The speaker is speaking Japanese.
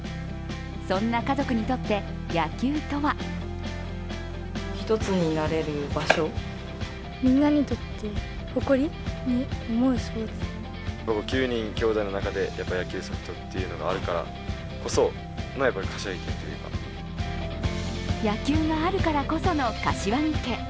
そんな家族にとって野球とは野球があるからこその柏木家。